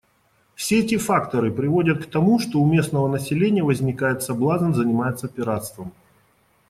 Все эти факторы приводят к тому, что у местного населения возникает соблазн заниматься пиратством.